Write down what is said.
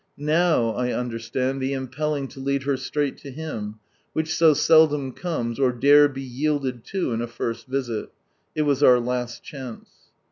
NffU' I understand the impelling to lead her straight to Him, which so seldom comes, or dare be yielded to, in a first visit ; it was our last chance.